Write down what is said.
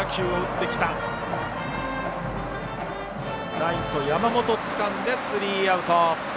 ライト、山本つかんでスリーアウト。